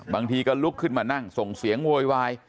บางทีก็ลุกขึ้นมานั่งส่งเสียงโวยวาย